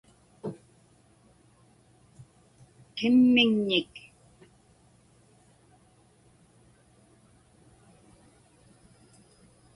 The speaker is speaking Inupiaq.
qimmiŋnik